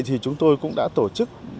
thì chúng tôi cũng đã tổ chức